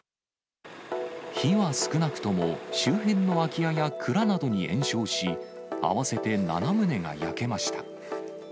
火は少なくとも周辺の空き家や蔵などに延焼し、合わせて７棟が焼けました。